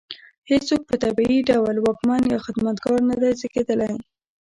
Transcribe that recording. هېڅوک په طبیعي ډول واکمن یا خدمتګار نه دی زېږېدلی.